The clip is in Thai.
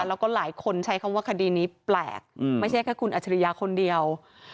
แล้วก็หลายคนใช้คำว่าคดีนี้แปลกไม่ใช่แค่คุณอัจฉริยาคนเดียว